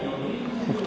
北勝